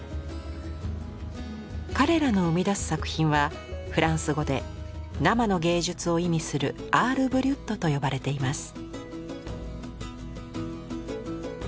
彼らの生みだす作品はフランス語で生の芸術を意味するアール・ブリュットと呼ばれています。